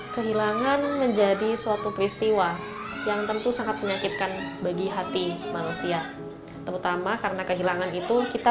ketimpangan ketidakadilan masih menjadi pemandangan yang jamak di sekeliling kita